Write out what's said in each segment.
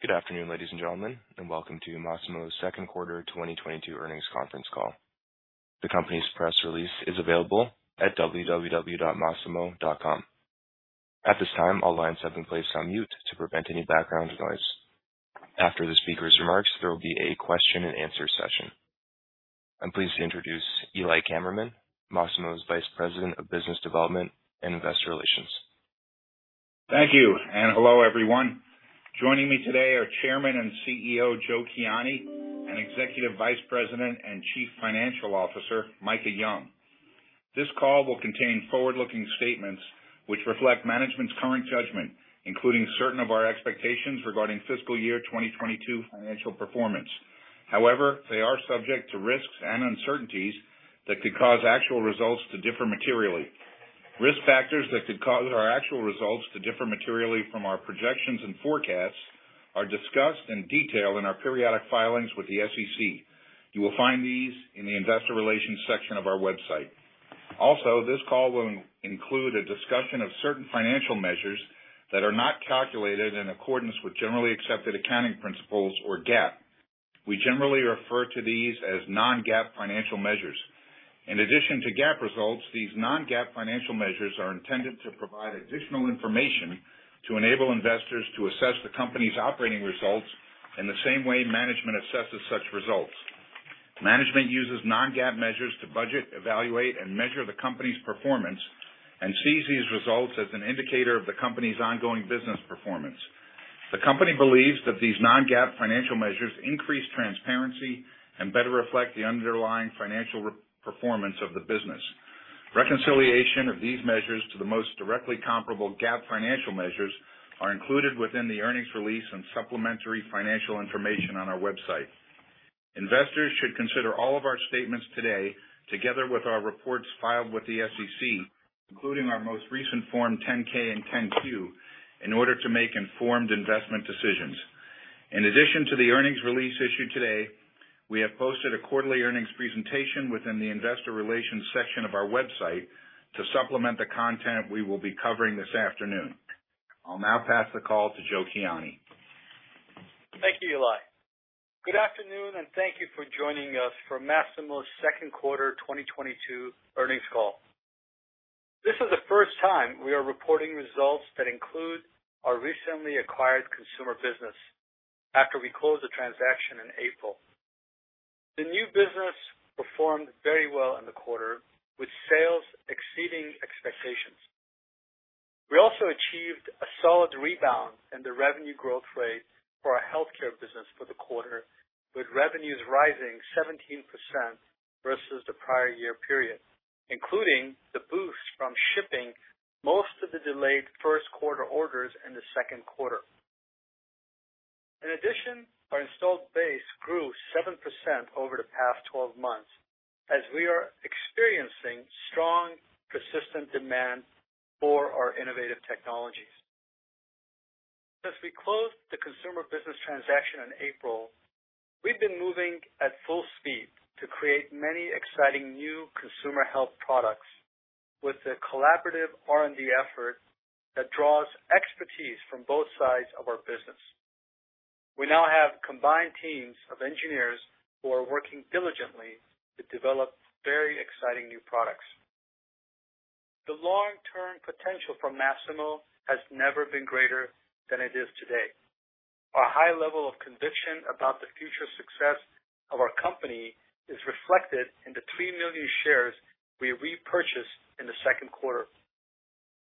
Good afternoon, ladies and gentlemen, and welcome to Masimo's Second Quarter 2022 Earnings Conference Call. The company's press release is available at www.masimo.com. At this time, all lines have been placed on mute to prevent any background noise. After the speaker's remarks, there will be a question and answer session. I'm pleased to introduce Eli Kammerman, Masimo's Vice President of Business Development and Investor Relations. Thank you, and hello, everyone. Joining me today are Chairman and CEO, Joe Kiani, and Executive Vice President and Chief Financial Officer, Micah Young. This call will contain forward-looking statements which reflect management's current judgment including certain of our expectations regarding Fiscal Year 2022 financial performance. However, they are subject to risks and uncertainties that could cause actual results to differ materially. Risk factors that could cause our actual results to differ materially from our projections and forecasts are discussed in detail in our periodic filings with the SEC. You will find these in the investor relations section of our website. Also, this call will include a discussion of certain financial measures that are not calculated in accordance with generally accepted accounting principles or GAAP. We generally refer to these as non-GAAP financial measures. In addition to GAAP results, these non-GAAP financial measures are intended to provide additional information to enable investors to assess the company's operating results in the same way management assesses such results. Management uses non-GAAP measures to budget, evaluate, and measure the company's performance, and sees these results as an indicator of the company's ongoing business performance. The company believes that these non-GAAP financial measures increase transparency and better reflect the underlying financial performance of the business. Reconciliation of these measures to the most directly comparable GAAP financial measures are included within the earnings release and supplementary financial information on our website. Investors should consider all of our statements today, together with our reports filed with the SEC, including our most recent Form 10-K and 10-Q, in order to make informed investment decisions. In addition to the earnings release issued today, we have posted a quarterly earnings presentation within the investor relations section of our website to supplement the content we will be covering this afternoon. I'll now pass the call to Joe Kiani. Thank you, Eli. Good afternoon and thank you for joining us for Masimo's Second Quarter 2022 Earnings Call. This is the first time we are reporting results that include our recently acquired consumer business after we closed the transaction in April. The new business performed very well in the quarter, with sales exceeding expectations. We also achieved a solid rebound in the revenue growth rate for our healthcare business for the quarter with revenues rising 17% versus the prior year period, including the boost from shipping most of the delayed first quarter orders in the second quarter. In addition, our installed base grew 7% over the past 12 months as we are experiencing strong, persistent demand for our innovative technologies. Since we closed the consumer business transaction in April, we've been moving at full speed to create many exciting new consumer health products with a collaborative R&D effort that draws expertise from both sides of our business. We now have combined teams of engineers who are working diligently to develop very exciting new products. The long-term potential for Masimo has never been greater than it is today. Our high level of conviction about the future success of our company is reflected in the 3 million shares we repurchased in the second quarter.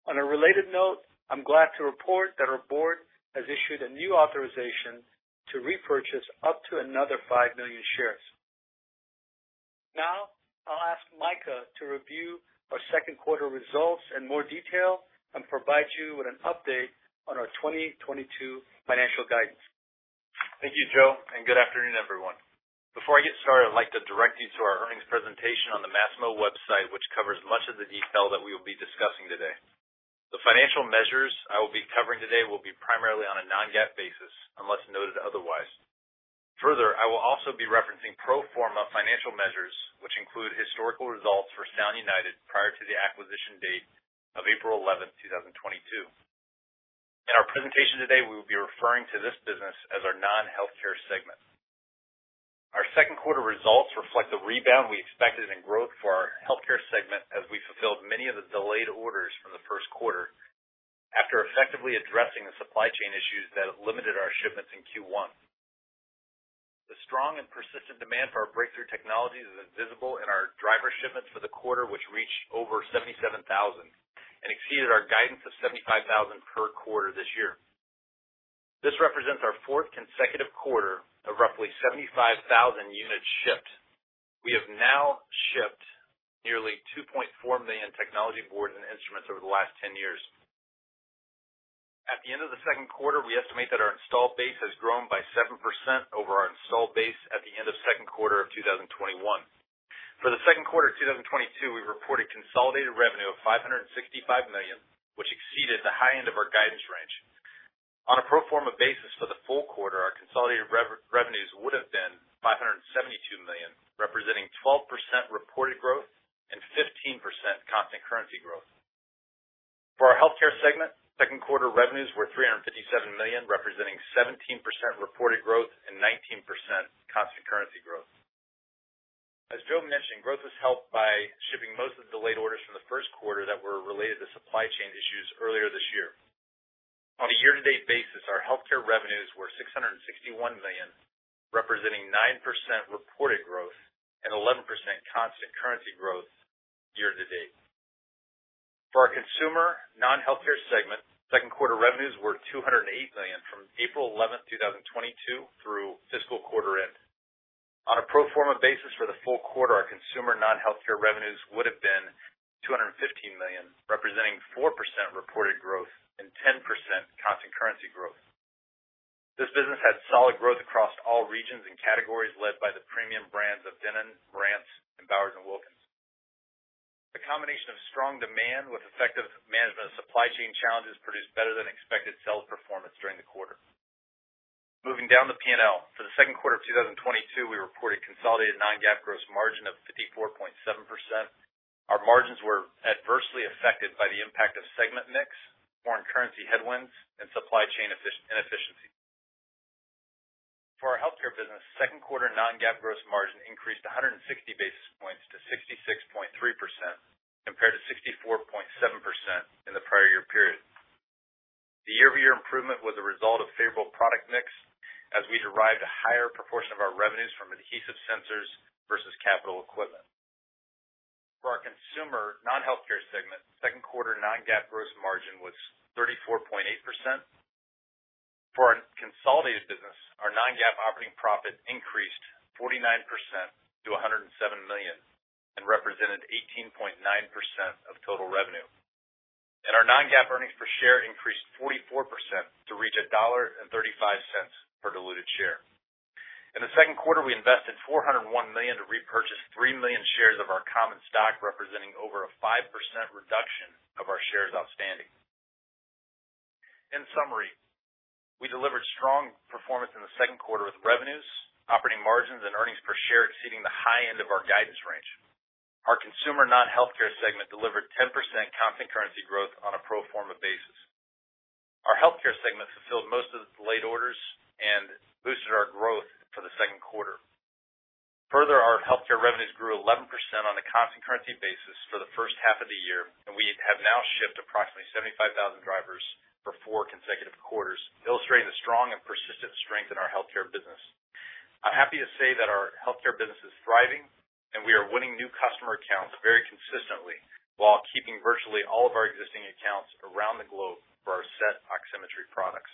On a related note, I'm glad to report that our board has issued a new authorization to repurchase up to another 5 million shares. Now, I'll ask Micah to review our second quarter results in more detail and provide you with an update on our 2022 financial guidance. Thank you, Joe, and good afternoon, everyone. Before I get started, I'd like to direct you to our earnings presentation on the Masimo website, which covers much of the detail that we will be discussing today. The financial measures I will be covering today will be primarily on a non-GAAP basis, unless noted otherwise. Further, I will also be referencing pro forma financial measures, which include historical results for Sound United prior to the acquisition date of April 11, 2022. In our presentation today, we will be referring to this business as our non-healthcare segment. Our second quarter results reflect the rebound we expected in growth for our healthcare segment as we fulfilled many of the delayed orders from the first quarter after effectively addressing the supply chain issues that limited our shipments in Q1. The strong and persistent demand for our breakthrough technology is visible in our driver shipments for the quarter, which reached over 77,000 and exceeded our guidance of 75,000 per quarter this year. This represents our fourth consecutive quarter of roughly 75,000 units shipped. We have now shipped nearly 2.4 million technology boards and instruments over the last 10 years. At the end of the second quarter, we estimate that our installed base has grown by 7% over our installed base at the end of second quarter of 2021. For the second quarter of 2022, we reported consolidated revenue of $565 million, which exceeded the high end of our guidance range. On a pro forma basis for the full-quarter, our consolidated revenues would have been $572 million representing 12% reported growth and 15% constant currency growth. For our healthcare segment, second quarter revenues were $357 million representing 17% reported growth and 19% constant currency growth. As Joe mentioned, growth was helped by shipping most of the late orders from the first quarter that were related to supply chain issues earlier this year. On a year-to-date basis, our healthcare revenues were $661 million, representing 9% reported growth and 11% constant currency growth year-to-date. For our consumer non-healthcare segment, second quarter revenues were $208 million from April 11, 2022 through fiscal quarter end. On a pro forma basis for the full-quarter, our consumer non-healthcare revenues would have been $215 million representing 4% reported growth and 10% constant currency growth. This business had solid growth across all regions and categories led by the premium brands of Denon, Marantz, and Bowers & Wilkins. The combination of strong demand with effective management of supply chain challenges produced better than expected sales performance during the quarter. Moving down the P&L, for the second quarter of 2022, we reported consolidated non-GAAP gross margin of 54.7%. Our margins were adversely affected by the impact of segment mix, foreign currency headwinds, and supply chain inefficiencies. For our healthcare business, second quarter non-GAAP gross margin increased 160 basis points to 66.3% compared to 64.7% in the prior year period. The year-over-year improvement was a result of favorable product mix as we derived a higher proportion of our revenues from adhesive sensors versus capital equipment. For our consumer non-healthcare segment, second quarter non-GAAP gross margin was 34.8%. For our consolidated business, our non-GAAP operating profit increased 49% to $107 million and represented 18.9% of total revenue. Our non-GAAP earnings per share increased 44% to reach $1.35 per diluted share. In the second quarter, we invested $401 million to repurchase 3 million shares of our common stock representing over a 5% reduction of our shares outstanding. In summary, we delivered strong performance in the second quarter with revenues, operating margins, and earnings per share exceeding the high end of our guidance range. Our consumer non-healthcare segment delivered 10% constant currency growth on a pro forma basis. Our healthcare segment fulfilled most of its late orders and boosted our growth for the second quarter. Further, our healthcare revenues grew 11% on a constant currency basis for the first half of the year, and we have now shipped approximately 75,000 drivers for four consecutive quarters, illustrating the strong and persistent strength in our healthcare business. I'm happy to say that our healthcare business is thriving and we are winning new customer accounts very consistently while keeping virtually all of our existing accounts around the globe for our SET oximetry products.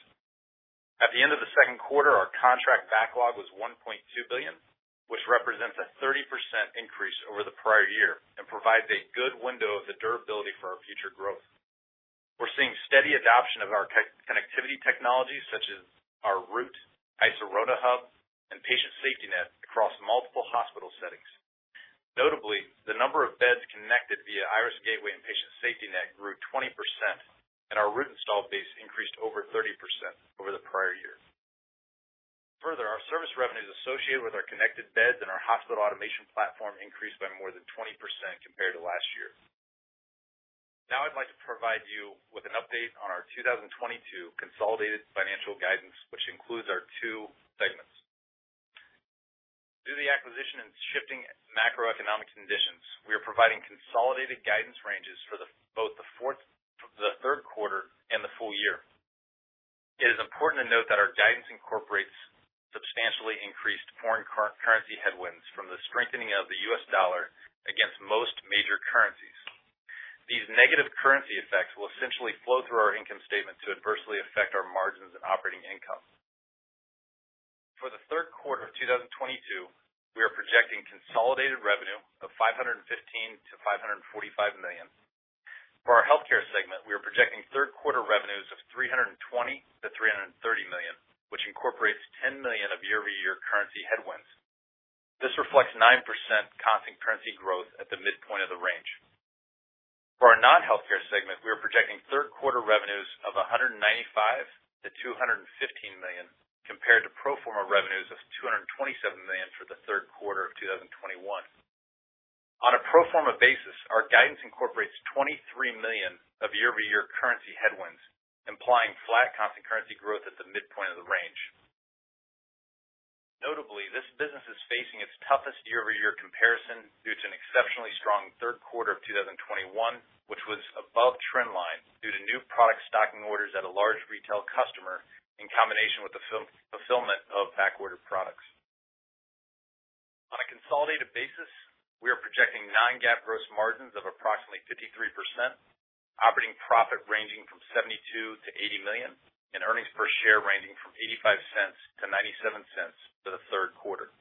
At the end of the second quarter, our contract backlog was $1.2 billion, which represents a 30% increase over the prior year, and provides a good window of the durability for our future growth. We're seeing steady adoption of our connectivity technologies such as our Root, iSirona hub, and Patient SafetyNet across multiple hospital settings. Notably, the number of beds connected via Iris Gateway and Patient SafetyNet grew 20%, and our Root installed base increased over 30% over the prior year. Further, our service revenues associated with our connected beds and our hospital automation platform increased by more than 20% compared to last year. Now I'd like to provide you with an update on our 2022 consolidated financial guidance, which includes our two segments. Due to the acquisition and shifting macroeconomic conditions, we are providing consolidated guidance ranges for both the third quarter and the full-year. It is important to note that our guidance incorporates substantially increased foreign currency headwinds from the strengthening of the U.S. dollar against most major currencies. These negative currency effects will essentially flow through our income statement to adversely affect our margins and operating income. For the third quarter of 2022, we are projecting consolidated revenue of $515 million to $545 million. For our healthcare segment, we are projecting third quarter revenues of $320 million to $330 million, which incorporates $10 million of year-over-year currency headwinds. This reflects 9% constant currency growth at the midpoint of the range. For our non-healthcare segment, we are projecting third quarter revenues of $195 million to $215 million, compared to pro forma revenues of $227 million for the third quarter of 2021. On a pro forma basis, our guidance incorporates $23 million of year-over-year currency headwinds implying flat constant currency growth at the midpoint of the range. Notably, this business is facing its toughest year-over-year comparison due to an exceptionally strong third quarter of 2021, which was above trend line due to new product stocking orders at a large retail customer in combination with the full fulfillment of back-ordered products. On a consolidated basis, we are projecting non-GAAP gross margins of approximately 53%, operating profit ranging from $72 million to $80 million, and earnings per share ranging from $0.85 to $0.97 for the third quarter.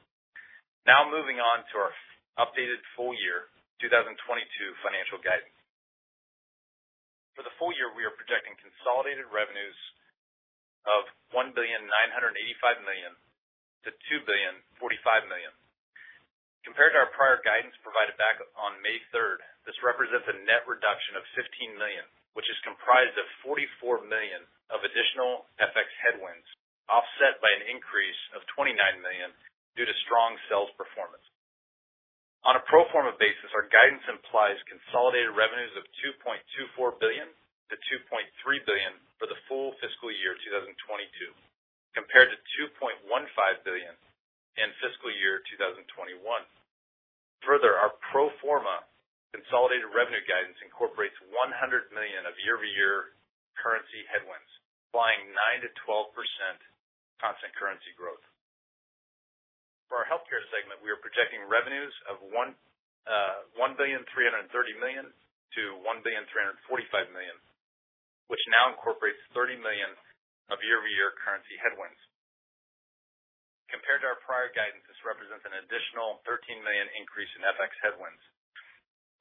Now moving on to our updated full-year 2022 financial guidance. For the full-year, we are projecting consolidated revenues of $1.985 billion to $2.045 billion. Compared to our prior guidance provided back on May 3rd, this represents a net reduction of $15 million, which is comprised of $44 million of additional FX headwinds, offset by an increase of $29 million due to strong sales performance. On a pro forma basis, our guidance implies consolidated revenues of $2.24 billion to $2.3 billion for the full Fiscal Year 2022, compared to $2.15 billion in Fiscal Year 2021. Further, our pro forma consolidated revenue guidance incorporates $100 million of year-over-year currency headwinds, implying 9% to 12% constant currency growth. For our healthcare segment, we are projecting revenues of $1.33 billion to $1.345 billion, which now incorporates $30 million of year-over-year currency headwinds. Compared to our prior guidance, this represents an additional $13 million increase in FX headwinds.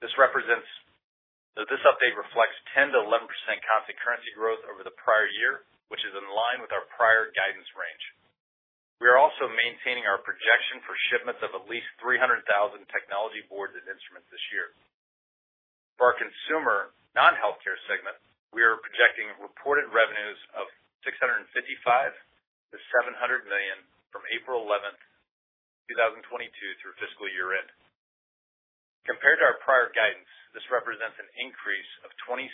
This update reflects 10% to 11% constant currency growth over the prior year, which is in line with our prior guidance range. We are also maintaining our projection for shipments of at least 300,000 technology boards and instruments this year. For our consumer non-healthcare segment, we are projecting reported revenues of $655 million to $700 million from April 11, 2022 through fiscal year end. Compared to our prior guidance, this represents an increase of $26 million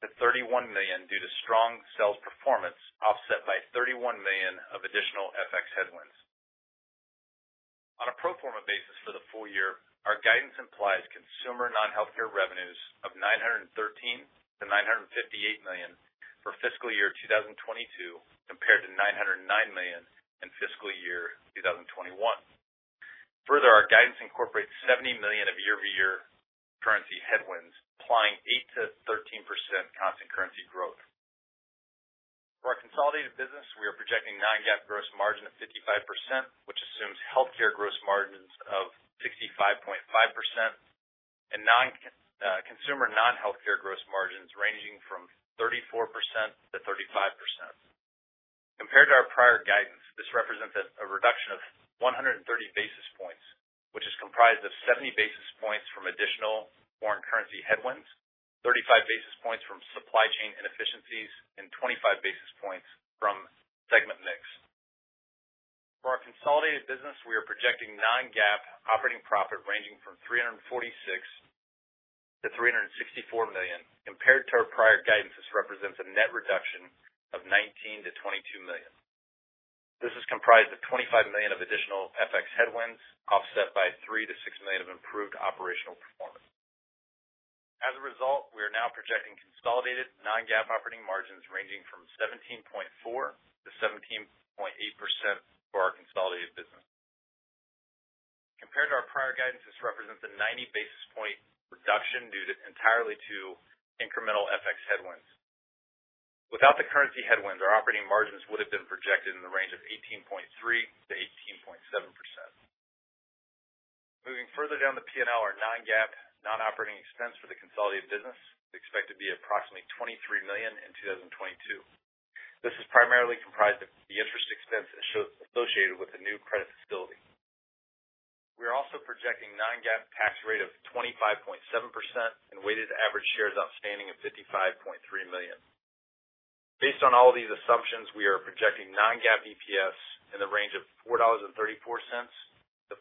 to $31 million due to strong sales performance offset by $31 million of additional FX headwinds. On a pro forma basis for the full-year, our guidance implies consumer non-healthcare revenues of $913 million to $958 million for Fiscal Year 2022 compared to $909 million in Fiscal Year 2021. Further, our guidance incorporates $70 million of year-over-year currency headwinds, implying 8% to 13% constant currency growth. For our consolidated business, we are projecting non-GAAP gross margin of 55%, which assumes healthcare gross margins of 65.5% and consumer non-healthcare gross margins ranging from 34% to 35%. Compared to our prior guidance, this represents a reduction of 130 basis points, which is comprised of 70 basis points from additional foreign currency headwinds, 35 basis points from supply chain inefficiencies, and 25 basis points from segment mix. For our consolidated business, we are projecting non-GAAP operating profit ranging from $346 million to $364 million. Compared to our prior guidance, this represents a net reduction of $19 million to $22 million. This is comprised of $25 million of additional FX headwinds, offset by $3 million to $6 million of improved operational performance. As a result, we are now projecting consolidated non-GAAP operating margins ranging from 17.4% to 17.8% for our consolidated business. Compared to our prior guidance, this represents a 90 basis point reduction due entirely to incremental FX headwinds. Without the currency headwinds, our operating margins would have been projected in the range of 18.3% to 18.7%. Moving further down the P&L, our non-GAAP non-operating expense for the consolidated business is expected to be approximately $23 million in 2022. This is primarily comprised of the interest expense associated with the new credit facility. We are also projecting non-GAAP tax rate of 25.7% and weighted average shares outstanding of 55.3 million. Based on all these assumptions, we are projecting non-GAAP EPS in the range of $4.34 to $4.57.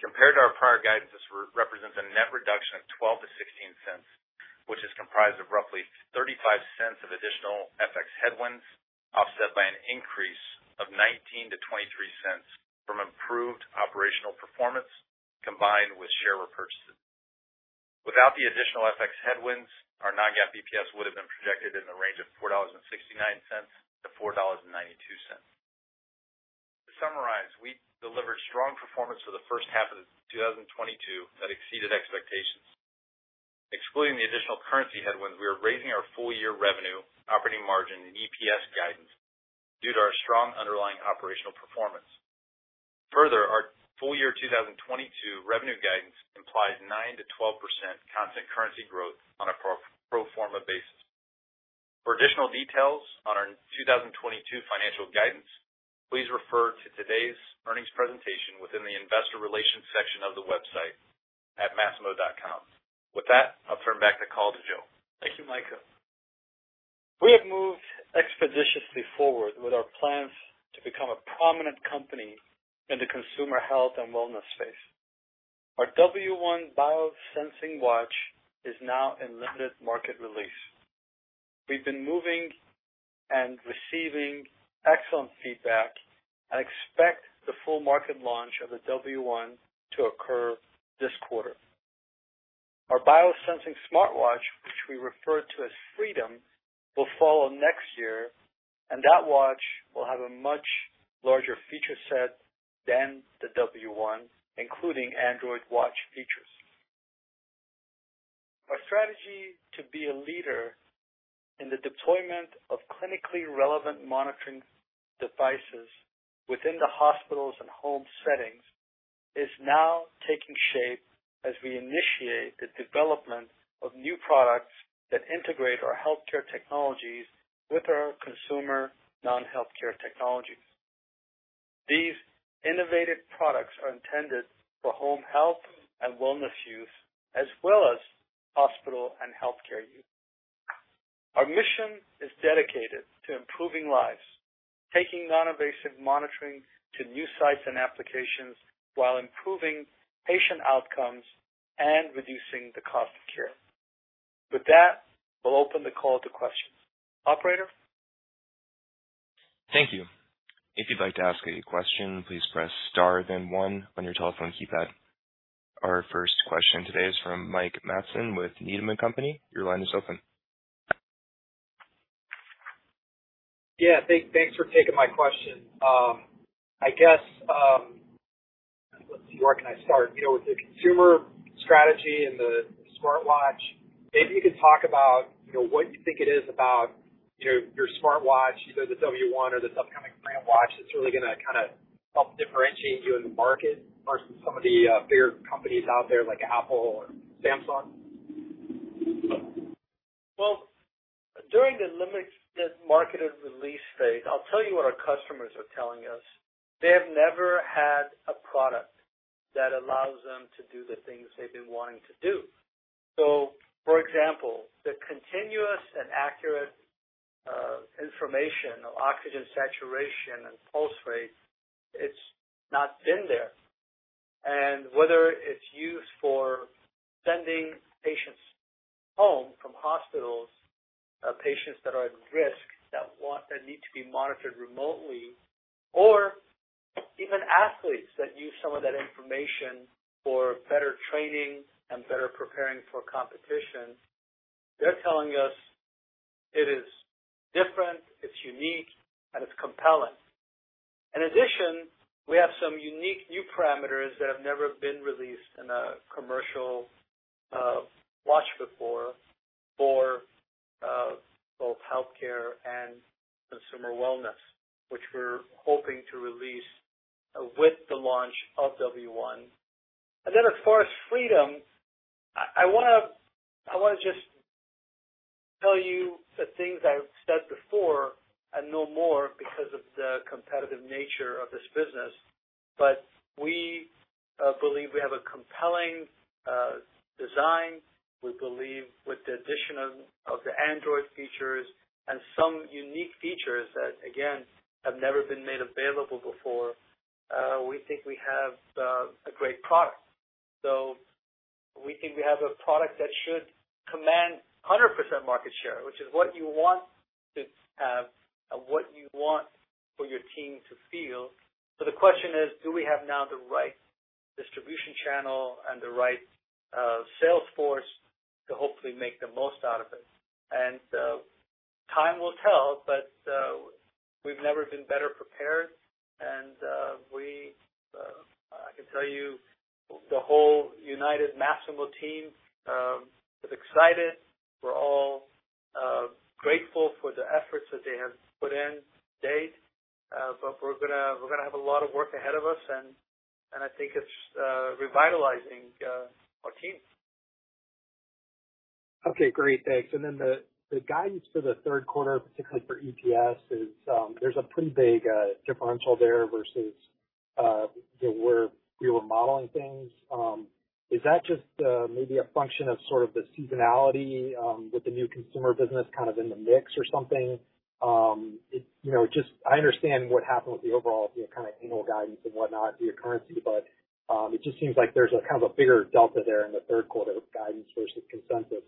Compared to our prior guidance, this represents a net reduction of $0.12 to $0.16, which is comprised of roughly $0.35 of additional FX headwinds, offset by an increase of $0.19 to $0.23 from improved operational performance combined with share repurchases. Without the additional FX headwinds, our non-GAAP EPS would have been projected in the range of $4.69 to $4.92. To summarize, we delivered strong performance for the first half of 2022 that exceeded expectations. Excluding the additional currency headwinds, we are raising our full-year revenue, operating margin and EPS guidance due to our strong underlying operational performance. Further, our full-year 2022 revenue guidance implies 9% to 12% constant currency growth on a pro forma basis. For additional details on our 2022 financial guidance, please refer to today's earnings presentation within the investor relations section of the website at masimo.com. With that, I'll turn back the call to Joe. Thank you, Micah. We have moved expeditiously forward with our plans to become a prominent company in the consumer health and wellness space. Our W1 biosensing watch is now in limited market release. We've been moving and receiving excellent feedback and expect the full market launch of the W1 to occur this quarter. Our biosensing smartwatch, which we refer to as Freedom, will follow next year, and that watch will have a much larger feature set than the W1, including Android watch features. Our strategy to be a leader in the deployment of clinically relevant monitoring devices within the hospitals and home settings is now taking shape as we initiate the development of new products that integrate our healthcare technologies with our consumer non-healthcare technologies. These innovative products are intended for home health and wellness use as well as hospital and healthcare use. Our mission is dedicated to improving lives, taking non-invasive monitoring to new sites and applications while improving patient outcomes and reducing the cost of care. With that, we'll open the call to questions. Operator? Thank you. If you'd like to ask a question, please press Star then one on your telephone keypad. Our first question today is from Mike Matson with Needham & Company. Your line is open. Yeah, thanks for taking my question. Let's see, where can I start? You know, with the consumer strategy and the smartwatch, maybe you could talk about, you know, what you think it is about, you know, your smartwatch, either the W1 or this upcoming Freedom that's really going to kind of help differentiate you in the market versus some of the bigger companies out there like Apple or Samsung. Well, during the limited marketed release phase, I'll tell you what our customers are telling us. They have never had a product that allows them to do the things they've been wanting to do. For example, the continuous and accurate information of oxygen saturation and pulse rate, it's not been there. Whether it's used for sending patients home from hospitals, patients that are at risk that need to be monitored remotely or even athletes that use some of that information for better training and better preparing for competition, they're telling us it is different, it's unique, and it's compelling. In addition, we have some unique new parameters that have never been released in a commercial watch before for both healthcare and consumer wellness, which we're hoping to release with the launch of W1. As far as Freedom, I want to just tell you the things I've said before and no more because of the competitive nature of this business, but we believe we have a compelling design. We believe with the addition of the Android features and some unique features that, again, have never been made available before, we think we have a great product. We think we have a product that should command 100% market share, which is what you want to have and what you want for your team to feel. The question is, do we have now the right distribution channel, and the right sales force to hopefully make the most out of it, and time will tell. We've never been better prepared. I can tell you, the whole united Masimo team is excited. We're all grateful for the efforts that they have put in to date. We're going to have a lot of work ahead of us and I think it's revitalizing our team. Okay, great. Thanks. Then the guidance for the third quarter, particularly for EPS, is there's a pretty big differential there versus, you know, where we were modeling things. Is that just maybe a function of sort of the seasonality with the new consumer business kind of in the mix or something? I just understand what happened with the overall you know kind of annual guidance and whatnot via currency, but it just seems like there's a kind of a bigger delta there in the third quarter guidance versus consensus.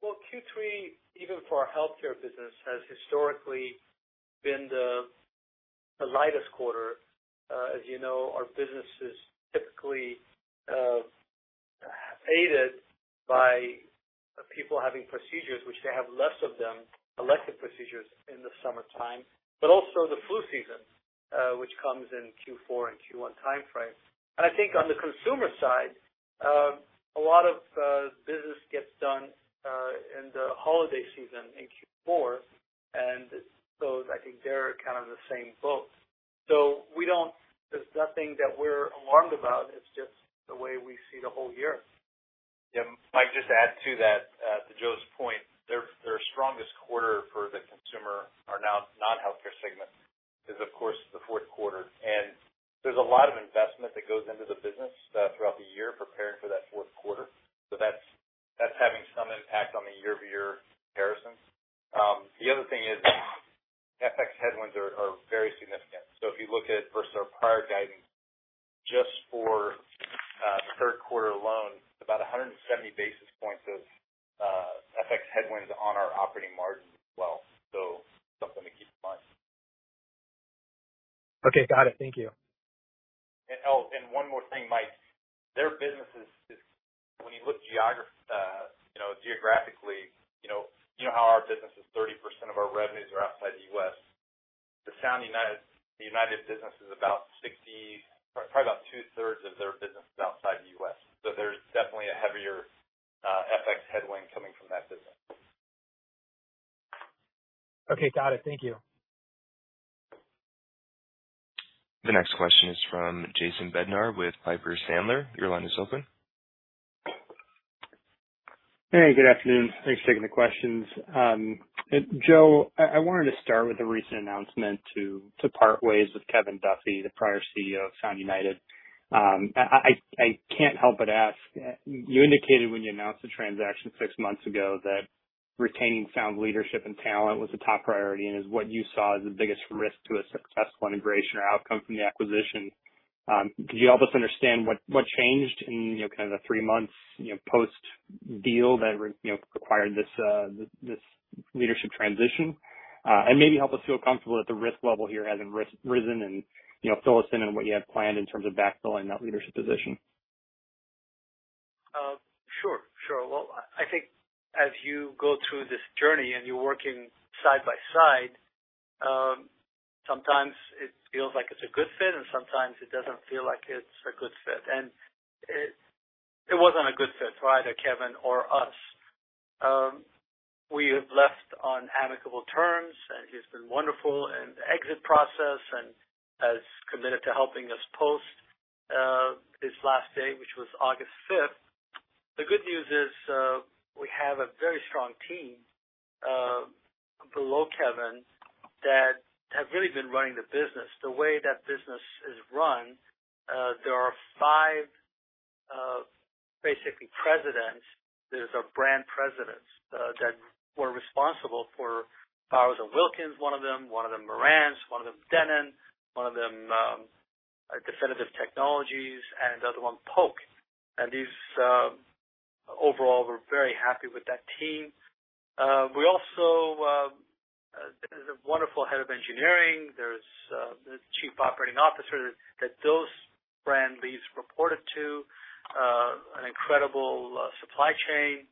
Well, Q3, even for our healthcare business, has historically been the lightest quarter. As you know, our business is typically aided by people having procedures, which they have less of them, elective procedures, in the summertime, but also the flu season, which comes in Q4 and Q1 timeframe. I think on the consumer side, a lot of business gets done in the holiday season in Q4. I think they're kind of in the same boat. There's nothing that we're alarmed about. It's just the way we see the whole year. Yeah. Mike, just to add to that, to Joe's point, their strongest quarter for the consumer or now non-healthcare segment is of course the fourth quarter. There's a lot of investment that goes into the business throughout the year preparing for that fourth quarter. That's having some impact on the year-over-year comparison. The other thing is FX headwinds are very significant. If you look at versus our prior guidance, just for the third quarter alone, about 170 basis points of FX headwinds on our operating margin as well, so something to keep in mind. Okay. Got it. Thank you. Oh, and one more thing, Mike. Their business is when you look geographically, you know how our business is 30% of our revenues are outside the U.S. The Sound United business is about 60, or probably about 2/3 of their business is outside the U.S. So there's definitely a heavier FX headwind coming from that business. Okay. Got it. Thank you. The next question is from Jason Bednar with Piper Sandler. Your line is open. Hey, good afternoon. Thanks for taking the questions. Joe, I wanted to start with the recent announcement to part ways with Kevin Duffy, the prior CEO of Sound United. I can't help but ask, you indicated when you announced the transaction six months ago that retaining Sound leadership and talent was a top priority, and is what you saw as the biggest risk to a successful integration or outcome from the acquisition. Could you help us understand what changed in, you know, kind of the three months, you know, post-deal that required this leadership transition? And maybe help us feel comfortable that the risk level here hasn't risen and, you know, fill us in on what you have planned in terms of backfilling that leadership position. Sure. Well, I think as you go through this journey and you're working side by side, sometimes it feels like it's a good fit, and sometimes it doesn't feel like it's a good fit. It wasn't a good fit for either Kevin or us. We have left on amicable terms, and he's been wonderful in the exit process, and has committed to helping us post his last day, which was August 5th. The good news is, we have a very strong team below Kevin that have really been running the business. The way that business is run, there are five basically presidents. These are brand presidents that were responsible for Bowers & Wilkins, one of them, one of them Marantz, one of them Denon, one of them our Definitive Technology, and the other one, Polk. These overall, we're very happy with that team. We also, there's a wonderful head of engineering. There's the chief operating officer that those brand leads reported to, an incredible supply chain,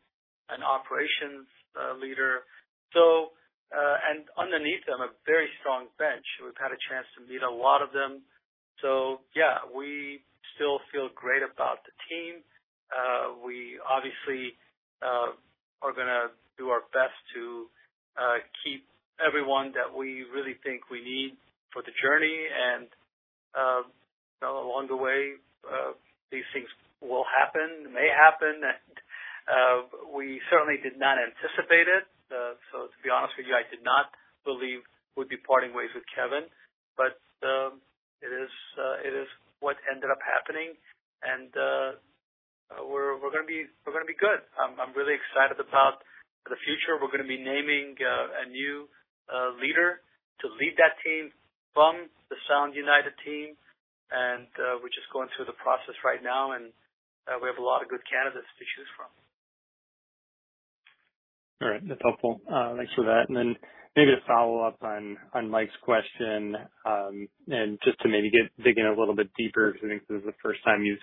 an operations leader, so underneath them, a very strong bench. We've had a chance to meet a lot of them. Yeah, we still feel great about the team. We obviously are going to do our best to keep everyone that we really think we need for the journey. Along the way, these things will happen, may happen, and we certainly did not anticipate it. To be honest with you, I did not believe we'd be parting ways with Kevin, but it is what ended up happening, and we're going to be good. I'm really excited about the future. We're going to be naming a new leader to lead that team from the Sound United team. We're just going through the process right now, and we have a lot of good candidates to choose from. All right. That's helpful. Thanks for that, and then maybe to follow up on Mike's question, and just to dig in a little bit deeper because I think this is the first time you've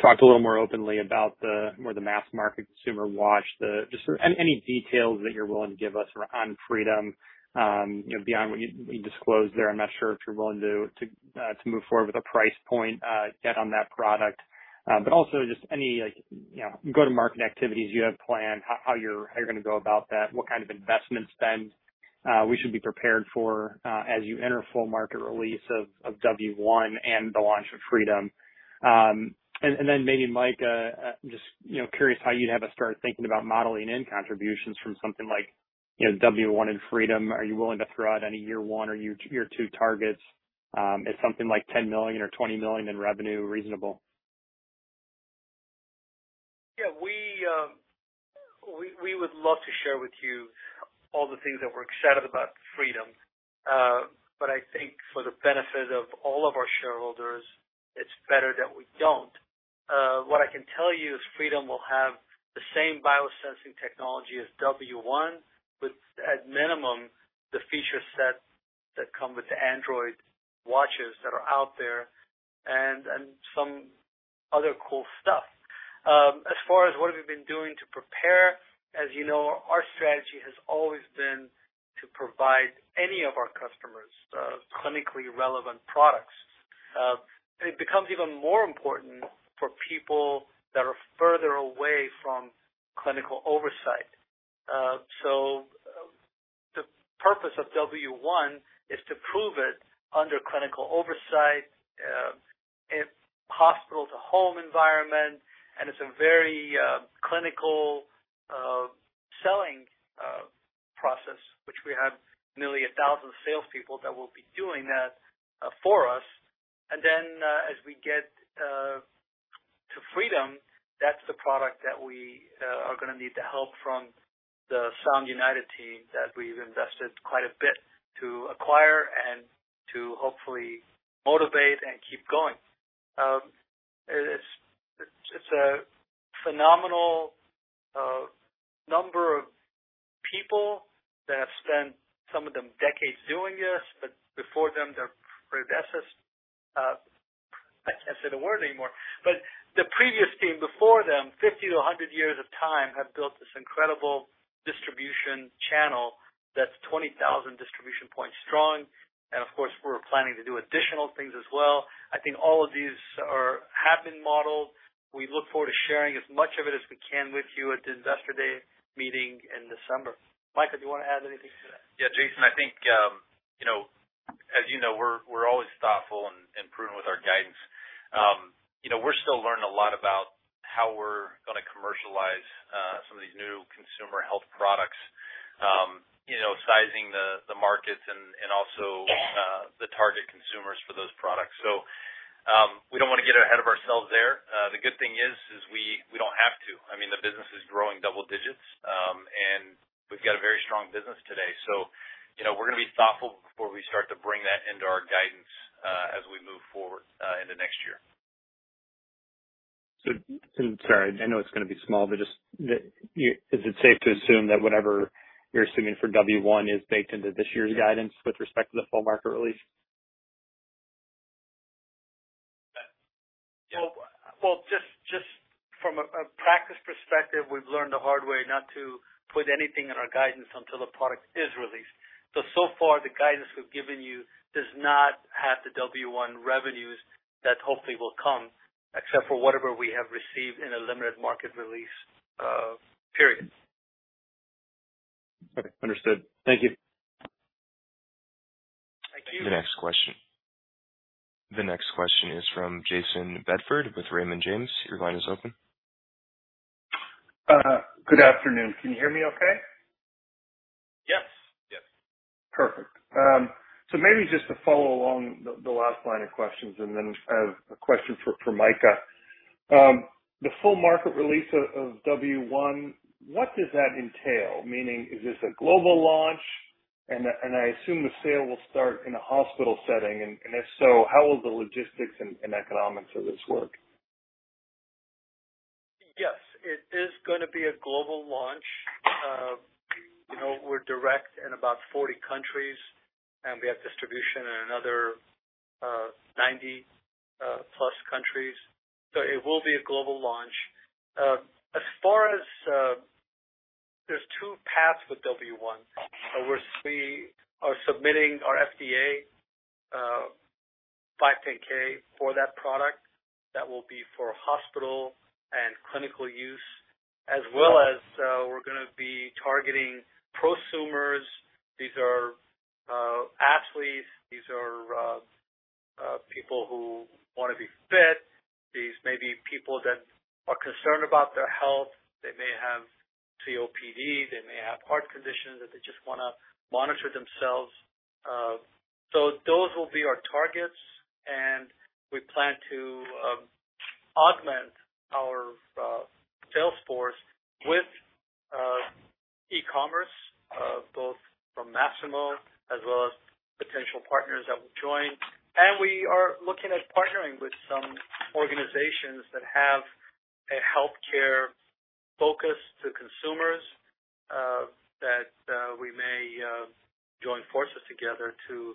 talked a little more openly about the more the mass market consumer watch. Just any details that you're willing to give us on Freedom, you know, beyond what you disclosed there. I'm not sure if you're willing to move forward with a price point yet on that product. Also just any, like, you know, go-to-market activities you have planned, how you're going to go about that, what kind of investment spend we should be prepared for, as you enter full market release of W1 and the launch of Freedom. Then maybe Mike, just, you know, curious how you'd have us start thinking about modeling in contributions from something like, you know, W1 and Freedom. Are you willing to throw out any year one or year two targets? Is something like $10 million or $20 million in revenue reasonable? Yeah. We would love to share with you all the things that we're excited about Freedom. I think for the benefit of all of our shareholders, it's better that we don't. What I can tell you is Freedom will have the same biosensing technology as W1 with at minimum the feature set that come with the Android watches that are out there and some other cool stuff. As far as what we've been doing to prepare, as you know, our strategy has always been to provide any of our customers clinically relevant products. It becomes even more important for people that are further away from clinical oversight. The purpose of W1 is to prove it under clinical oversight in hospital to home environment, and it's a very clinical selling process, which we have nearly 1,000 salespeople that will be doing that for us. As we get to Freedom, that's the product that we are going to need the help from the Sound United team that we've invested quite a bit to acquire and to hopefully motivate and keep going. It's a phenomenal number of people that have spent some of them decades doing this, but before them, their predecessors, I can't say the word anymore. The previous team before them, 50 years to 100 years of time, have built this incredible distribution channel that's 20,000 distribution points strong. Of course, we're planning to do additional things as well. I think all of these have been modeled. We look forward to sharing as much of it as we can with you at the Investor Day meeting in December. Mike, did you want to add anything to that? Yeah, Jason, I think, you know, as you know, we're always thoughtful in improving with our guidance. We're still learning a lot about how we're going to commercialize some of these new consumer health products. You know, sizing the markets and also the target consumers for those products. We don't want to get ahead of ourselves there. The good thing is we don't have to. I mean, the business is growing double-digits. We've got a very strong business today. You know, we're going to be thoughtful before we start to bring that into our guidance as we move forward into next year. Sorry, I know it's going to be small, but just, is it safe to assume that whatever you're assuming for W1 is baked into this year's guidance with respect to the full market release? Yeah. Well, just from a practice perspective, we've learned the hard way not to put anything in our guidance until the product is released. So far the guidance we've given you does not have the W1 revenues that hopefully will come except for whatever we have received in a limited market release period. Okay. Understood. Thank you. Thank you. The next question is from Jayson Bedford with Raymond James. Your line is open. Good afternoon. Can you hear me okay? Yes. Yeah. Perfect. Maybe just to follow along the last line of questions and then I have a question for Micah. The full market release of W1, what does that entail? Meaning, is this a global launch? I assume the sale will start in a hospital setting. And if so, how will the logistics and economics of this work? Yes, it is going to be a global launch. We're direct in about 40 countries and we have distribution in another 90 plus countries. It will be a global launch. As far as, there's two paths with W1. We are submitting our FDA 510(k) for that product. That will be for hospital and clinical use, as well as we're going to be targeting prosumers. These are athletes. These are people who want to be fit. These may be people that are concerned about their health. They may have COPD. They may have heart conditions that they just want to monitor themselves. Those will be our targets and we plan to augment our sales force with e-commerce both from Masimo as well as potential partners that will join. We are looking at partnering with some organizations that have a healthcare focus to consumers that we may join forces together to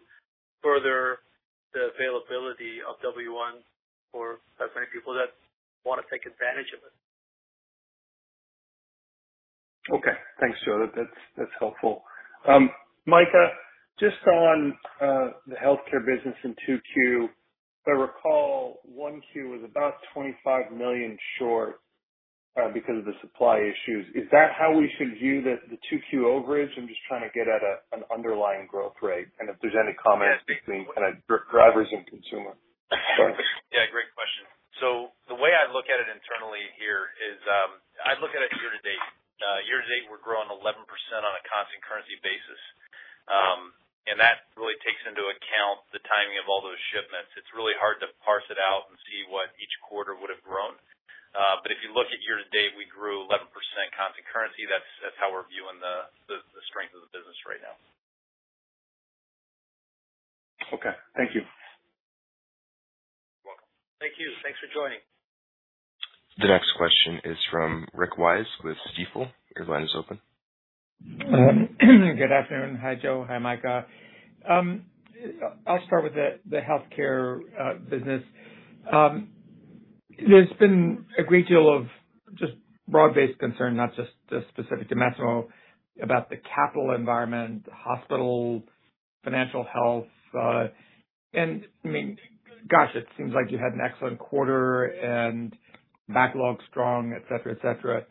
further the availability of W1 for as many people that want to take advantage of it. Okay. Thanks, Joe. That's helpful. Micah, just on the healthcare business in 2Q, if I recall, 1Q was about $25 million short because of the supply issues. Is that how we should view the 2Q overage? I'm just trying to get at an underlying growth rate and if there's any comments between kind of drivers and consumer. Yeah, great question. The way I look at it internally here is, I look at it year-to-date. Year-to-date, we're growing 11% on a constant currency basis. That really takes into account the timing of all those shipments. It's really hard to parse it out and see what each quarter would've grown. If you look at year-to-date, we grew 11% constant currency. That's how we're viewing the strength of the business right now. Okay. Thank you. You're welcome. Thank you. Thanks for joining. The next question is from Rick Wise with Stifel. Your line is open. Good afternoon. Hi, Joe. Hi, Micah. I'll start with the healthcare business. There's been a great deal of just broad-based concern, not just specific to Masimo, about the capital environment, hospital financial health. I mean, it seems like you had an excellent quarter and backlog strong, et cetera, et cetera.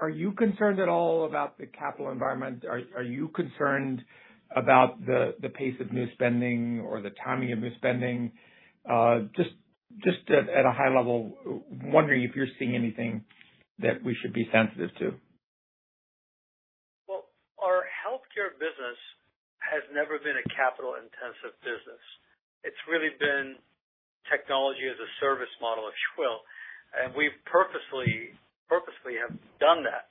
Are you concerned at all about the capital environment? Are you concerned about the pace of new spending or the timing of new spending? Just at a high level, I'm wondering if you're seeing anything that we should be sensitive to. Well, our healthcare business has never been a capital intensive business. It's really been technology as a service model at scale, and we've purposely have done that.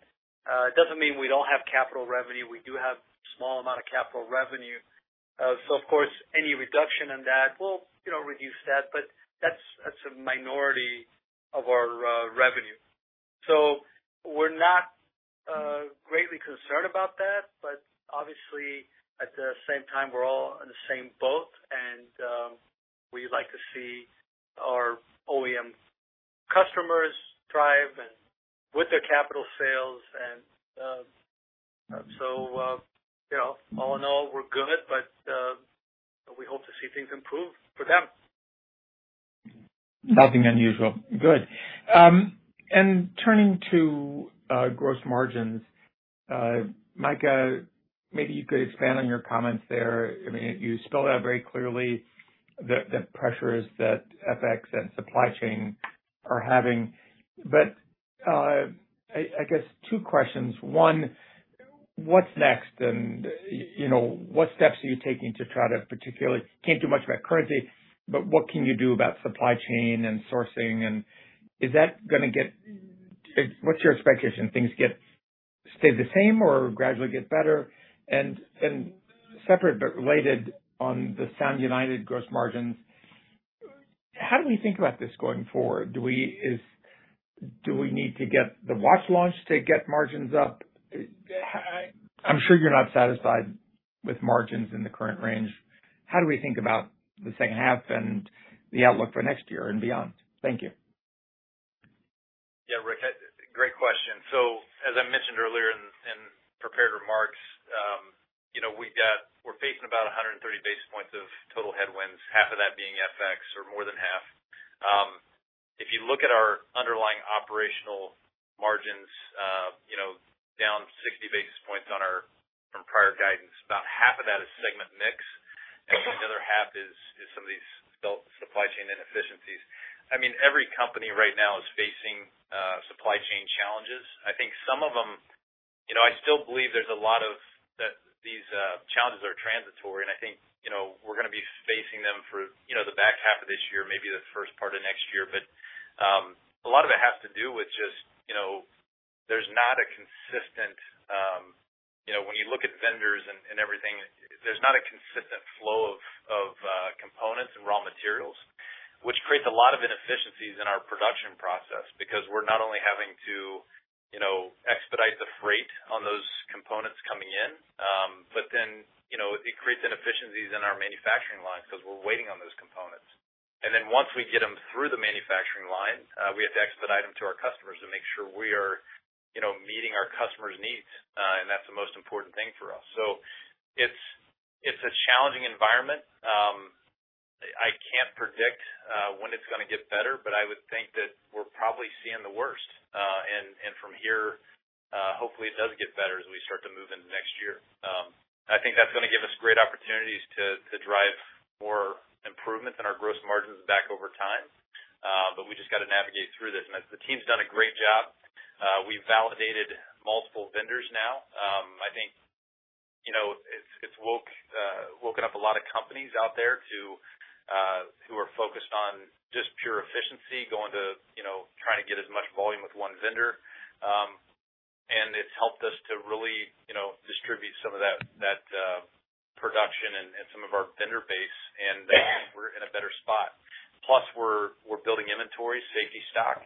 It doesn't mean we don't have capital revenue. We do have small amount of capital revenue. So of course, any reduction in that will, you know, reduce that, but that's a minority of our revenue. We're not greatly concerned about that. But obviously at the same time, we're all in the same boat and we like to see our OEM customers thrive and with their capital sales. All in all, we're good, but we hope to see things improve for them. Nothing unusual, good. Turning to gross margins, Micah, maybe you could expand on your comments there. I mean, you spelled out very clearly the pressures that FX and supply chain are having. Two questions, one, what's next and you know, what steps are you taking to try to particularly. Can't do much about currency, but what can you do about supply chain and sourcing? And is that going to get, what's your expectation, things stay the same or gradually get better? Separate but related, on the Sound United gross margins, how do we think about this going forward? Do we need to get the watch launch to get margins up? I'm sure you're not satisfied with margins in the current range. How do we think about the second half and the outlook for next year and beyond? Thank you. Yeah. Rick, great question. As I mentioned earlier in prepared remarks, you know, we're facing about 130 basis points of total headwinds, half of that being FX or more than half. If you look at our underlying operational margins, you know, down 60 basis points from prior guidance. About half of that is segment mix, and the other half is some of these supply chain inefficiencies. I mean, every company right now is facing supply chain challenges. I think some of them, you know, I still believe a lot of these challenges are transitory, and I think, you know, we're going to be facing them for, you know, the back half of this year, maybe the first part of next year. A lot of it has to do with just, you know, there's not a consistent, you know, when you look at vendors and everything, there's not a consistent flow of components and raw materials, which creates a lot of inefficiencies in our production process because we're not only having to, you know, expedite the freight on those components coming in, but then, you know, it creates inefficiencies in our manufacturing lines because we're waiting on those components. Then once we get them through the manufacturing line, we have to expedite them to our customers to make sure we are, you know, meeting our customers' needs. That's the most important thing for us. It's a challenging environment. I can't predict when it's going to get better but I would think that we're probably seeing the worst. From here, hopefully it does get better as we start to move into next year. I think that's going to give us great opportunities to drive more improvements in our gross margins back over time. We just got to navigate through this. The team's done a great job. We've validated multiple vendors now. I think, you know, it's woken up a lot of companies out there to who are focused on just pure efficiency, going to, you know, trying to get as much volume with one vendor. It's helped us to really, you know, distribute some of that production and some of our vendor base, and I think we're in a better spot. Plus, we're building inventory, safety stock.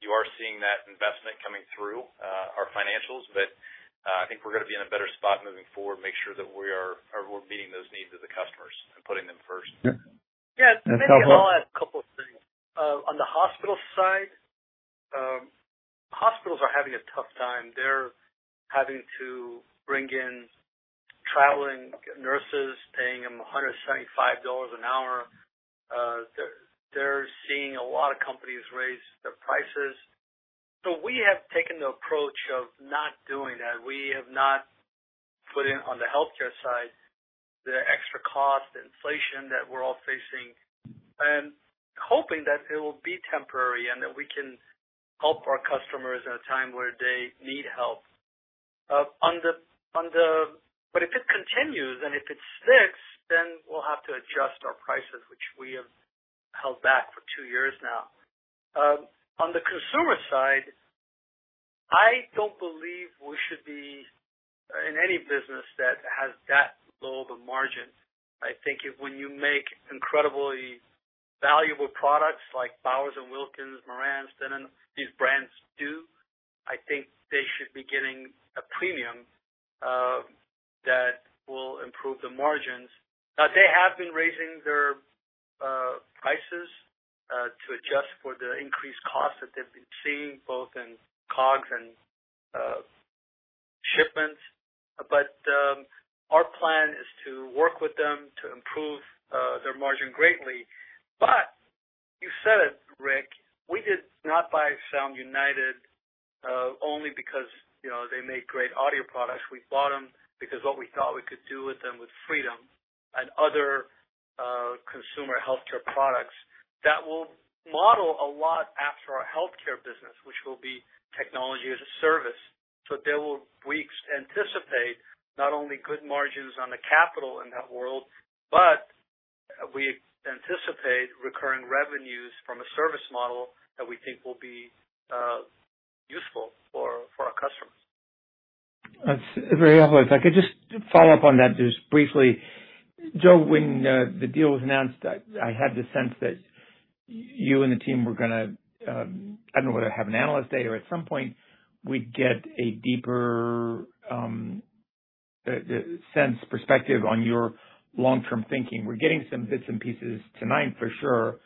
You are seeing that investment coming through our financials. I think we're going to be in a better spot moving forward, make sure that we're meeting those needs of the customers and putting them first. Yeah. Yeah. Maybe I'll add a couple of things. On the hospital side, hospitals are having a tough time. They're having to bring in traveling nurses and paying them $175 an hour. They're seeing a lot of companies raise their prices. We have taken the approach of not doing that. We have not put in, on the healthcare side, the extra cost inflation that we're all facing, and hoping that it will be temporary, and that we can help our customers in a time where they need help. If it continues and if it sticks, then we'll have to adjust our prices, which we have held back for two years now. On the consumer side, I don't believe we should be in any business that has that low of a margin. I think if when you make incredibly valuable products like Bowers & Wilkins, Marantz, Denon, these brands do, I think they should be getting a premium that will improve the margins. Now, they have been raising their prices to adjust for the increased costs that they've been seeing both in COGS and shipments. Our plan is to work with them to improve their margin greatly. You said it, Rick, we did not buy Sound United only because, you know, they make great audio products. We bought them because what we thought we could do with them with Freedom and other consumer healthcare products that will model a lot after our healthcare business, which will be technology as a service. We anticipate not only good margins on the capital in that world, but we anticipate recurring revenues from a service model that we think will be useful for our customers. That's very helpful. If I could just follow up on that just briefly. Joe, when the deal was announced, I had the sense that you and the team were going to, I don't know whether to have an Analyst Day or at some point we'd get a deeper sense, perspective on your long-term thinking. We're getting some bits and pieces tonight for sure.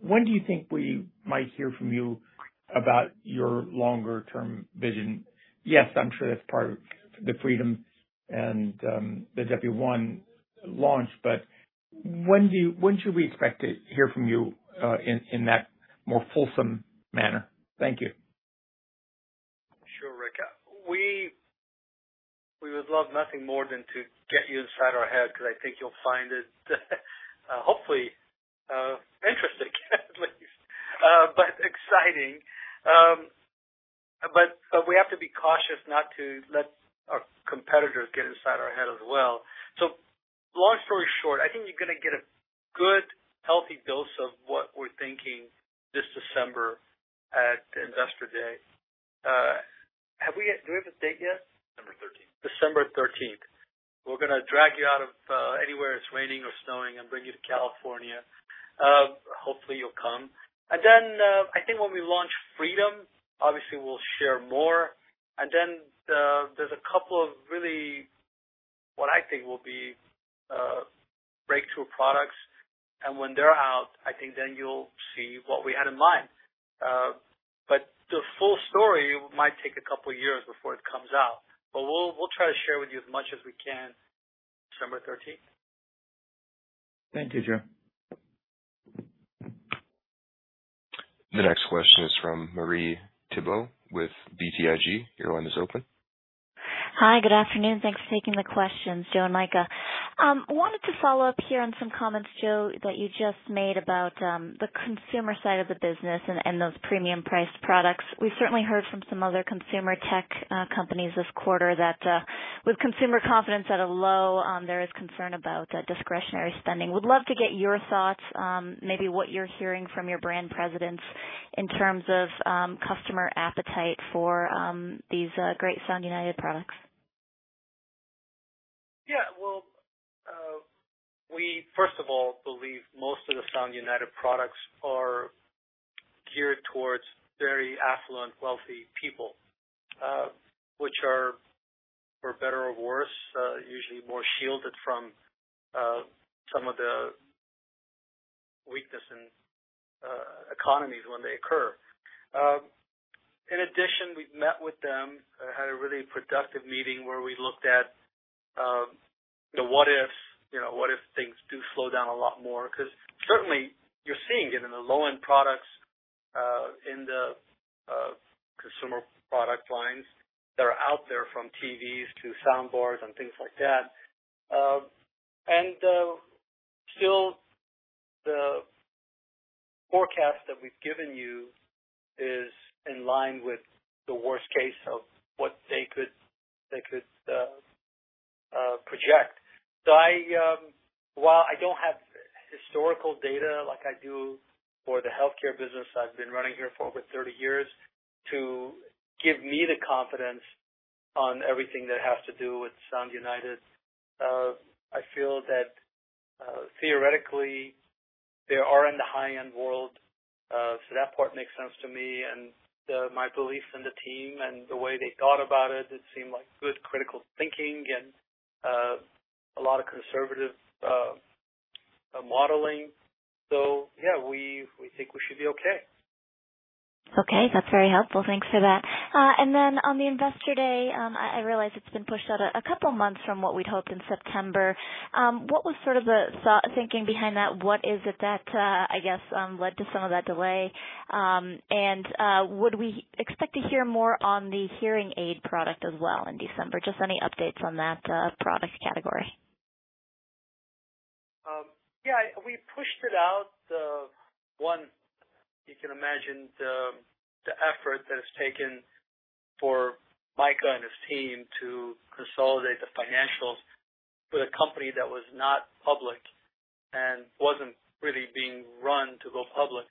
When do you think we might hear from you about your longer-term vision? Yes, I'm sure that's part of the Freedom and the W1 launch, but when should we expect to hear from you in that more fulsome manner? Thank you. Sure, Rick. We would love nothing more than to get you inside our head because I think you'll find it hopefully interesting, at least, but exciting. But we have to be cautious not to let our competitors get inside our head as well. Long story short, I think you're going to get a good, healthy dose of what we're thinking this December at Investor Day. Do we have a date yet? December 13. December 13th. We're going to drag you out of anywhere it's raining or snowing and bring you to California. Hopefully, you'll come. Then, I think when we launch Freedom, obviously we'll share more. Then, there's a couple of really what I think will be breakthrough products. When they're out, I think then you'll see what we had in mind. But the full story might take a couple of years before it comes out, but we'll try to share with you as much as we can December 13th. Thank you, Joe. Sure. The next question is from Marie Thibault with BTIG. Your line is open. Hi. Good afternoon. Thanks for taking the questions, Joe and Micah. I wanted to follow up here on some comments, Joe, that you just made about the consumer side of the business and those premium priced products. We've certainly heard from some other consumer tech companies this quarter that with consumer confidence at a low there is concern about the discretionary spending. We'd love to get your thoughts maybe what you're hearing from your brand presidents in terms of customer appetite for these great Sound United products. Yeah. Well, we first of all believe most of the Sound United products are geared towards very affluent, wealthy people, which are, for better or worse, usually more shielded from some of the weakness in economies when they occur. In addition, we've met with them, had a really productive meeting where we looked at the what ifs, you know, what if things do slow down a lot more? Because certainly you're seeing it in the low-end products, in the consumer product lines that are out there from TVs to sound bars and things like that, and still the forecast that we've given you is in line with the worst case of what they could project. While I don't have historical data like I do for the healthcare business I've been running here for over 30 years to give me the confidence on everything that has to do with Sound United, I feel that theoretically, they are in the high-end world. That part makes sense to me and my belief in the team and the way they thought about it, it seemed like good critical thinking and a lot of conservative modeling. Yeah, we think we should be okay. Okay. That's very helpful. Thanks for that. On the Investor Day, I realize it's been pushed out a couple of months from what we'd hoped in September. What was sort of the thinking behind that? What is it that led to some of that delay? Would we expect to hear more on the hearing aid product as well in December? Just any updates on that product category. Yeah, we pushed it out. One, you can imagine the effort that it's taken for Micah and his team to consolidate the financials with a company that was not public and wasn't really being run to go public.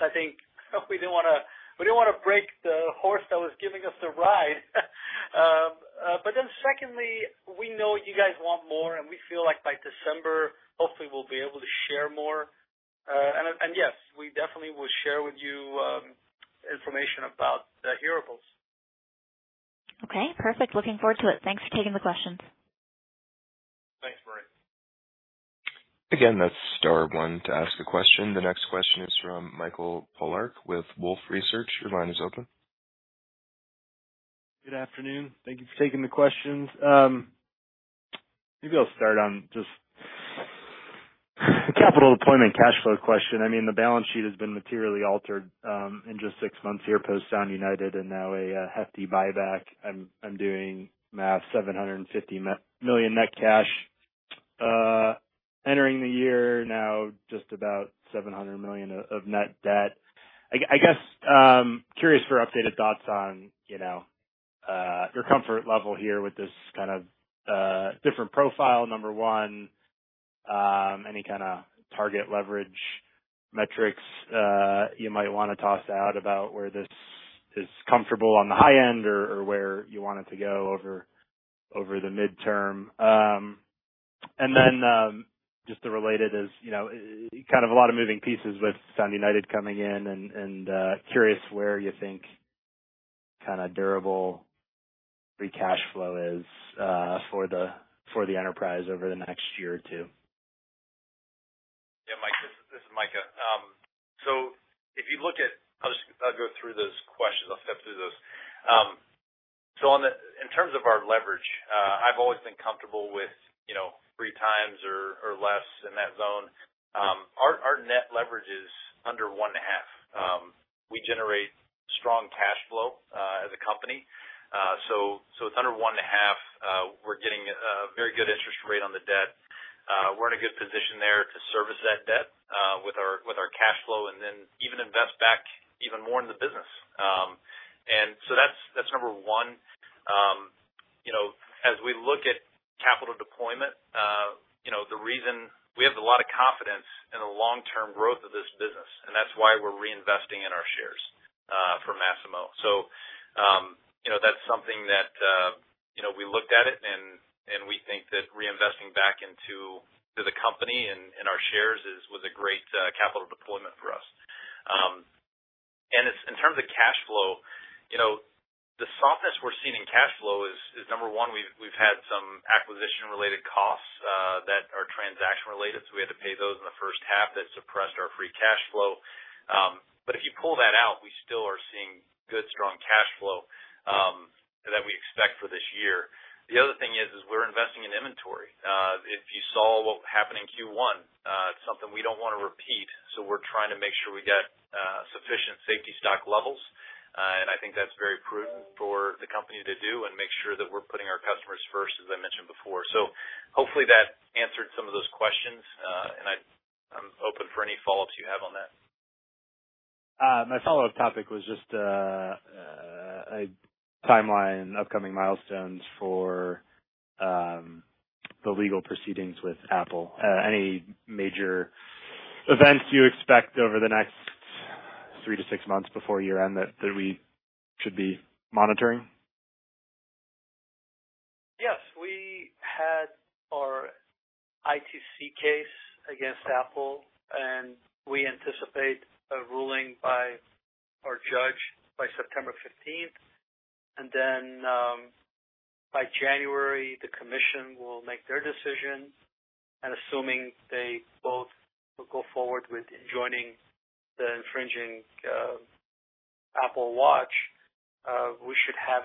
I think we didn't want to break the horse that was giving us the ride. Secondly, we know you guys want more, and we feel like by December, hopefully we'll be able to share more. Yes, we definitely will share with you information about the Hearables. Okay. Perfect. Looking forward to it. Thanks for taking the questions. Thanks, Marie. Again, that's star one to ask a question. The next question is from Mike Polark with Wolfe Research. Your line is open. Good afternoon. Thank you for taking the questions. Maybe I'll start on just capital deployment and cash flow question. I mean, the balance sheet has been materially altered in just six months here, post Sound United and now a hefty buyback. I'm doing math, $750 million net cash entering the year. Now, just about $700 million of net debt. Curious for updated thoughts on, you know, your comfort level here with this kind of different profile, number one, any kind of target leverage metrics you might want to toss out about where this is comfortable on the high end or where you want it to go over the midterm. Then just to related is, you know, kind of a lot of moving pieces with Sound United coming in and curious where you think kind of durable free cash flow is for the enterprise over the next year or two. Yeah, Mike, this is Micah. If you look at it, I'll go through those questions. I'll step through those. In terms of our leverage, I've always been comfortable with, you know, 3x or less in that zone. Our net leverage is under 1.5x. We generate strong cash flow as a company. It's under 1.5x. We're getting a very good interest rate on the debt. We're in a good position there to service that debt with our cash flow and then even invest back even more in the business. That's number one. As we look at capital deployment, you know, the reason we have a lot of confidence in the long-term growth of this business, and that's why we're reinvesting in our shares for Masimo. That's something that you know, we looked at it and we think that reinvesting back into the company and our shares is was a great capital deployment for us. It's in terms of cash flow, you know, the softness we're seeing in cash flow is number one, we've had some acquisition-related costs that are transaction-related, so we had to pay those in the first half. That suppressed our free cash flow. If you pull that out, we still are seeing good, strong cash flow that we expect for this year. The other thing is, we're investing in inventory. If you saw what happened in Q1, it's something we don't want to repeat, so we're trying to make sure we get sufficient safety stock levels. I think that's very prudent for the company to do and make sure that we're putting our customers first, as I mentioned before. Hopefully that answered some of those questions. I'm open for any follow-ups you have on that. My follow-up topic was just a timeline, upcoming milestones for the legal proceedings with Apple. Any major events you expect over the next three months to six months before year-end that we should be monitoring? Yes. We had our ITC case against Apple and we anticipate a ruling by our judge by September 15th. By January, the commission will make their decision, and assuming they both will go forward with enjoining the infringing Apple Watch, we should have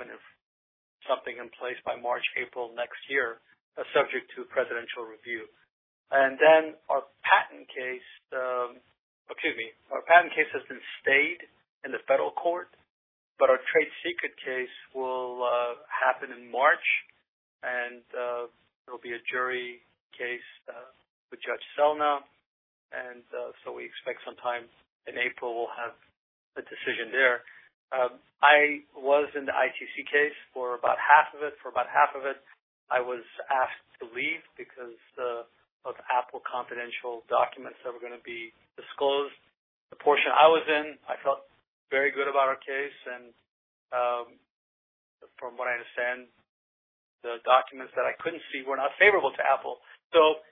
something in place by March, April next year, subject to presidential review. Our patent case has been stayed in the federal court but our trade secret case will happen in March. It'll be a jury case with Judge Selna. We expect sometime in April, we'll have a decision there. I was in the ITC case for about half of it. I was asked to leave because of Apple confidential documents that were going to be disclosed. The portion I was in, I felt very good about our case. From what I understand, the documents that I couldn't see were not favorable to Apple.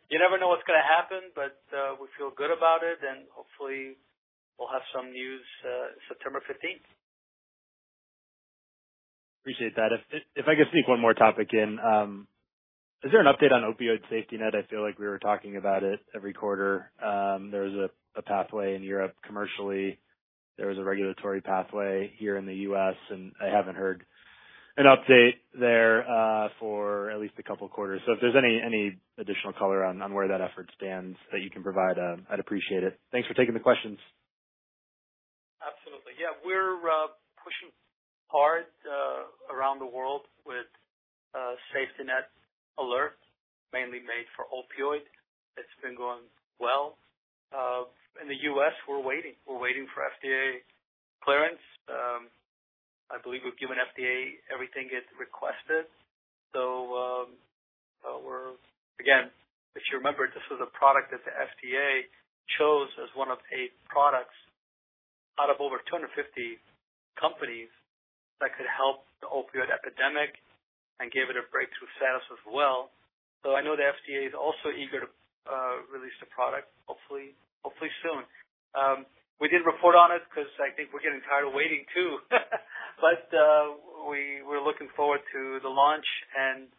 You never know what's going to happen, but we feel good about it, and hopefully we'll have some news September 15th. Appreciate that. If I could sneak one more topic in, is there an update on Opioid SafetyNet? I feel like we were talking about it every quarter. There's a pathway in Europe commercially. There was a regulatory pathway here in the U.S., and I haven't heard an update there for at least a couple quarters. If there's any additional color on where that effort stands that you can provide, I'd appreciate it. Thanks for taking the questions. Absolutely. Yeah. We're pushing hard around the world with SafetyNet Alert, mainly made for opioids. It's been going well. In the U.S., we're waiting for FDA clearance. I believe we've given FDA everything it requested. We're again, if you remember, this was a product that the FDA chose as one of eight products out of over 250 companies that could help the opioid epidemic and gave it a breakthrough status as well. I know the FDA is also eager to release the product hopefully soon. We didn't report on it 'cause I think we're getting tired of waiting too. We're looking forward to the launch and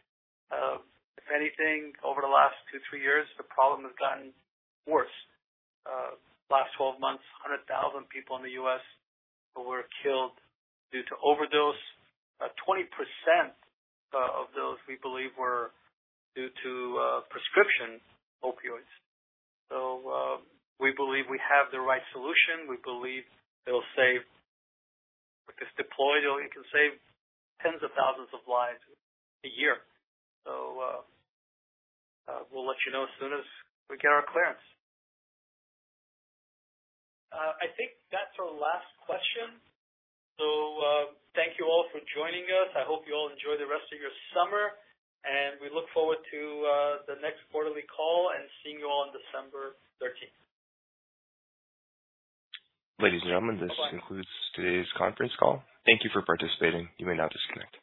if anything, over the last two, three years, the problem has gotten worse. In the last 12 months, 100,000 people in the U.S. were killed due to overdose. 20% of those we believe were due to prescription opioids. We believe we have the right solution. We believe it'll save, if it's deployed, it can save 10s of 1,000s of lives a year. We'll let you know as soon as we get our clearance. I think that's our last question. Thank you all for joining us. I hope you all enjoy the rest of your summer, and we look forward to the next quarterly call and seeing you all on December 13th. Ladies and gentlemen, this concludes today's conference call. Thank you for participating. You may now disconnect.